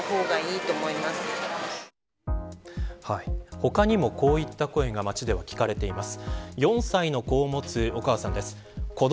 他にもこういった声が街では聞かれています。